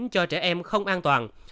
cho trẻ em không an toàn